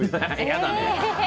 嫌だね。